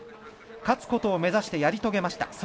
勝つことを目指してやり遂げました。